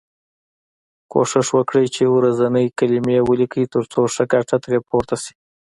کوښښ وکړی چې ورځنۍ کلمې ولیکی تر څو ښه ګټه ترې پورته شی.